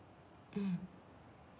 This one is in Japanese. うん。